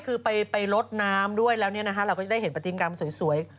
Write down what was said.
คือไปลดน้ำด้วยแล้วเราก็จะได้เห็นปฏิกรรมสวย